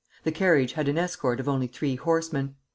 The carriage had an escort of only three horsemen.